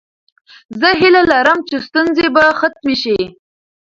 زه هیله لرم چې ستونزې به ختمې شي.